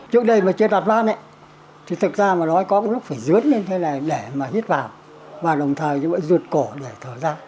trước đây mà chưa đặt van thì thực ra mà nói có lúc phải dướt lên thế này để mà hít vào và đồng thời như vậy ruột cổ để thở ra